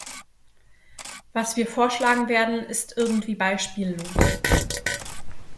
Was wir vorschlagen werden, ist irgendwie beispiellos.